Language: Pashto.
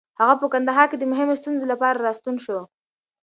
هغه په کندهار کې د مهمو ستونزو د حل لپاره راستون شو.